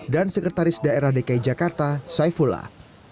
dan sekretaris daerah dki jakarta saifullah